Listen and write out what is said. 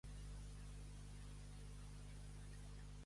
Sol i cerç i aigua no, bon temps per al teuler.